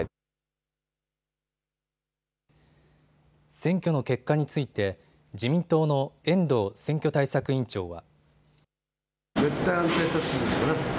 選挙の結果について自民党の遠藤選挙対策委員長は。